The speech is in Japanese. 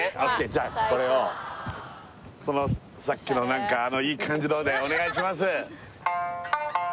じゃあこれをそのさっきのなんかあのいい感じのでお願いします